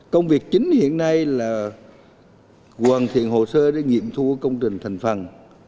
công việc chính hiện nay là hoàn thiện hồ sơ để nghiệm thu công trình thành phần